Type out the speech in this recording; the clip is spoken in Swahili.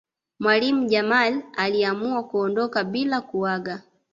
mwalimu jamali aliamua kuondoka bila kuaga